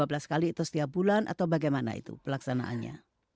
berapa belas kali atau setiap bulan atau bagaimana itu pelaksanaannya